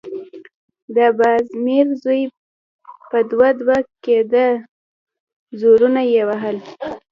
د بازمير زوی په دوه_ دوه کېده، زورونه يې وهل…